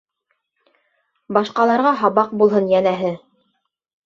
Башҡаларға һабаҡ булһын, йәнәһе.